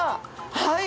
はい！